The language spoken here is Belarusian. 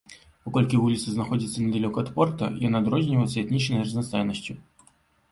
Паколькі вуліца знаходзіцца недалёка ад порта, яна адрозніваецца этнічнай разнастайнасцю.